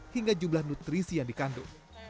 hingga jumlah nutrisi yang dikandung